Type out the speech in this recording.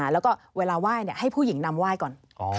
แล้วก็เวลาว่ายให้ผู้หญิงนำว่ายก่อน